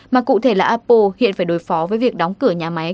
mà cụ thể là appo hiện phải đối phó với việc đóng cửa nhà máy